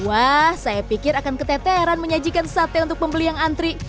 wah saya pikir akan keteteran menyajikan sate untuk pembeli yang antri